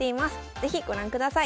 是非ご覧ください。